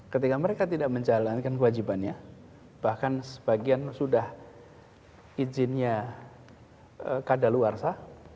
ketika mereka tidak menjalankan kewajibannya bahkan sebagian sudah izinnya kadaluarsa